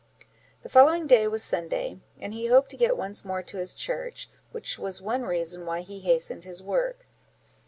The following day was Sunday, and he hoped to get once more to his church, which was one reason why he hastened his work.